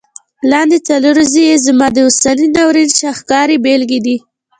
لاندي څلوریځي یې زموږ د اوسني ناورین شاهکاري بیلګي دي.